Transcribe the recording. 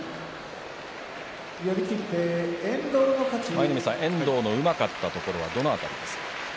舞の海さん、遠藤のうまかったところはどの辺りですか。